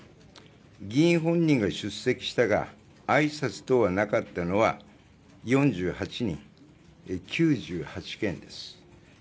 議員本人が出席したがあいさつ等はなかったのが４８人、９８件です。